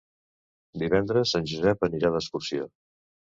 Divendres en Josep anirà d'excursió.